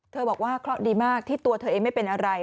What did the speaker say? บอกว่าเคราะห์ดีมากที่ตัวเธอเองไม่เป็นอะไร